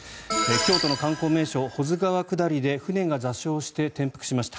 京都の観光名所、保津川下りで船が座礁して転覆しました。